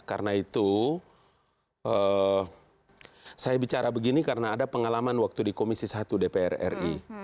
karena itu saya bicara begini karena ada pengalaman waktu di komisi satu dpr ri